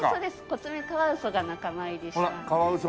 コツメカワウソが仲間入りしたんです。